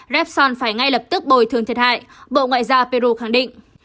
repson phải ngay lập tức bồi thương thiệt hại bộ ngoại gia peru khẳng định